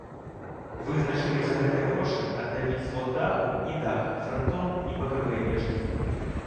Вызначылі за гэтыя грошы аднавіць звод даху і дах, франтон і бакавыя вежкі.